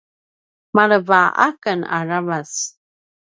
maleva aken aravac